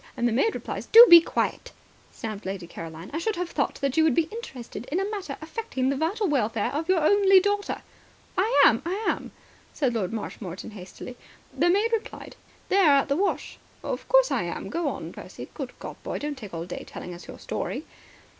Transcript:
And the maid replies " "Do be quiet," snapped Lady Caroline. "I should have thought that you would be interested in a matter affecting the vital welfare of your only daughter." "I am. I am," said Lord Marshmoreton hastily. "The maid replied: 'They're at the wash.' Of course I am. Go on, Percy. Good God, boy, don't take all day telling us your story."